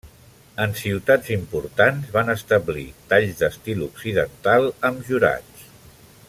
En ciutats importants, van establir talls d'estil occidental amb jurats.